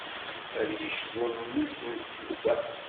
Ad yecbu mmi-s n tsedda.